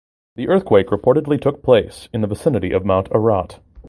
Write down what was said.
The earthquake reportedly took place in the vicinity of Mount Ararat.